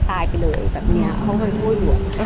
ภาษาสนิทยาลัยสุดท้าย